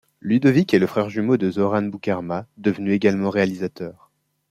Ludovic est le frère jumeau de Zoran Boukherma, devenu également réalisateur.